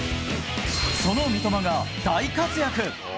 その三笘が大活躍。